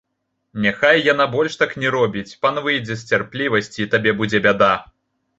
Няхай яна больш так не робіць, пан выйдзе з цярплівасці, і табе будзе бяда.